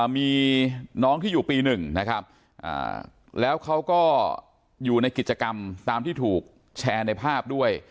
มีน้องที่อยู่ปี๑นะครับแล้วเขาก็อยู่ในกิจกรรมตามที่ถูกแชร์ในภาพด้วย